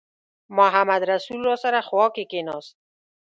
محمدرسول راسره خوا کې کېناست.